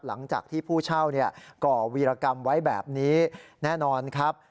หลังจากที่ผู้เช่าก่อวีรกรรมไว้แบบนี้แน่นอนครับ